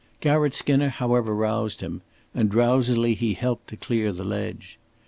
Garratt Skinner, however, roused him, and drowsily he helped to clear the ledge.